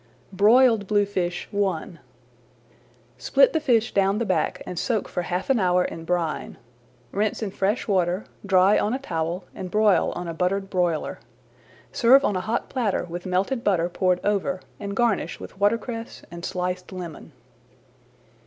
BROILED BLUEFISH I Split the fish down the back and soak for half an hour in brine. Rinse in fresh water, dry on a towel and broil on a buttered broiler. Serve on a hot platter with melted butter poured over, and garnish with watercress and sliced lemon.